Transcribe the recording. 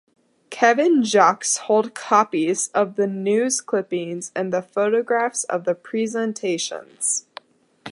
Kevin Jaques holds copies of the news clippings and the photographs of the presentations.